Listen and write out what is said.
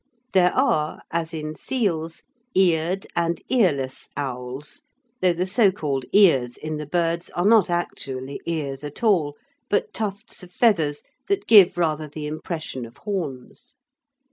There are (as in seals) eared and earless owls, though the so called "ears" in the birds are not actually ears at all, but tufts of feathers that give rather the impression of horns.